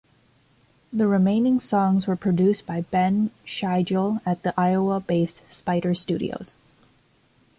The remaining songs were produced by Ben Schigel at the Ohio-based Spider Studios.